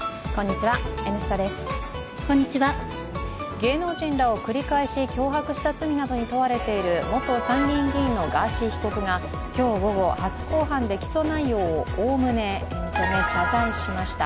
芸能人らを繰り返し脅迫した罪などに問われている元参議院議員のガーシー被告が今日午後初公判で起訴内容をおおむね認め、謝罪しました。